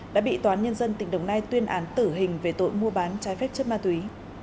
đã bị toán nhân dân tỉnh đồng nai tuyên án tử hình về tội mua bán trái phép chất ma túy